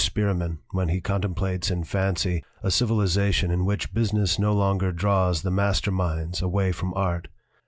Spearman when he contem plates in fancy a civilization in which business no longer draws the master minds away from art.